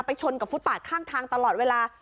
ชนกับฟุตปาดข้างทางตลอดเวลา